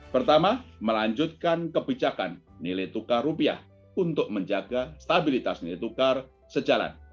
pertama melanjutkan kebijakan nilai tukar rupiah untuk menjaga stabilitas nilai tukar sejalan